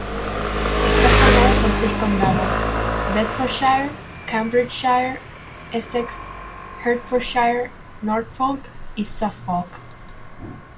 Está formada por seis condados: Bedfordshire, Cambridgeshire, Essex, Hertfordshire, Norfolk y Suffolk.